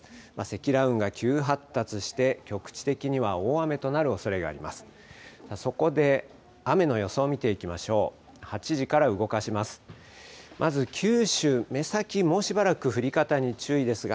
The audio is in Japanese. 積乱雲が急発達して、局地的には大雨となるおそれがあります。